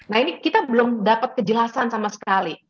nah ini kita belum dapat kejelasan sama sekali